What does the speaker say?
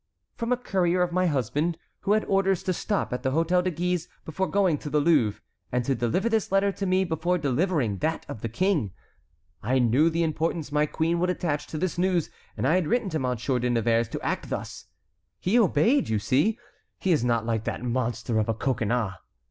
"From a courier of my husband, who had orders to stop at the Hôtel de Guise before going to the Louvre, and to deliver this letter to me before delivering that of the King. I knew the importance my queen would attach to this news, and I had written to Monsieur de Nevers to act thus. He obeyed, you see; he is not like that monster of a Coconnas.